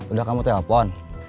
udah kamu telepon